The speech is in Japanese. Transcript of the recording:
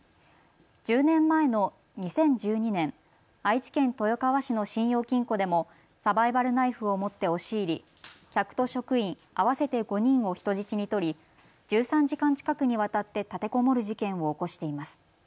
１０年前の２０１２年、愛知県豊川市の信用金庫でもサバイバルナイフを持って押し入り、客と職員合わせて５人を人質に取り１３時間近くにわたって立てこもる事件を起こしています。